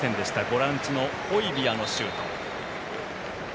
ボランチのホイビヤのシュート。